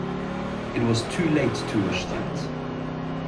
It was too late to wish that!